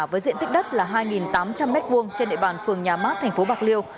với diện tích đất là hai tám trăm linh m hai trên địa bàn phường nhà mát thành phố bạc liêu